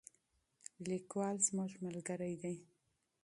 لیکوال زموږ ملګری دی.